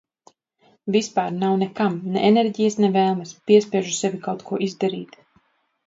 Vispār nav nekam ne enerģijas ne vēlmes. Piespiežu sevi kaut ko izdarīt.